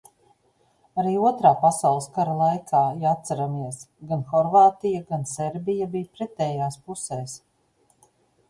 Arī Otrā pasaules kara laikā, ja atceramies, gan Horvātija gan Serbija bija pretējās puses.